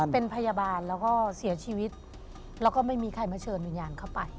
เป็นพยาบาลแล้วก็เสียชีวิตแล้วก็ไม่มีใครมาเชิญวิญญาณเข้าไป